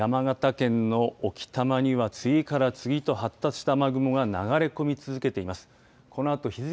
動かしますと山形県の置賜には次から次へと発達した雨雲が流れ込み続けています。